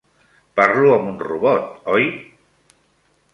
Parlo amb un robot, oi?